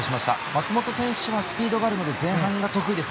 松元選手はスピードがあるので前半が得意です。